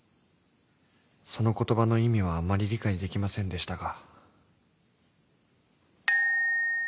［その言葉の意味はあんまり理解できませんでしたが］